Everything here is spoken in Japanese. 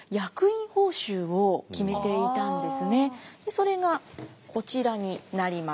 それがこちらになります。